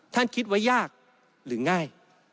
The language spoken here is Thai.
คิดว่ายากหรือง่าย